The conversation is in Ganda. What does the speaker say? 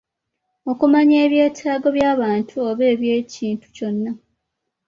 Okumanya ebyetaago by'abantu oba eby'ekintu kyonna.